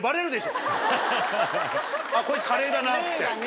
こいつカレーだなって。